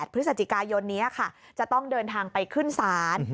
พฤศจิกายนนี้ค่ะจะต้องเดินทางไปขึ้นศาล